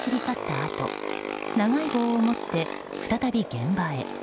あと長い棒を持って、再び現場へ。